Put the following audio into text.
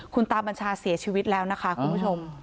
คุณตาบัญชาเสียชีวิตแล้วนะคะคุณผู้ชม